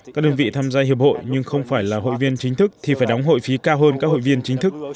các đơn vị tham gia hiệp hội nhưng không phải là hội viên chính thức thì phải đóng hội phí cao hơn các hội viên chính thức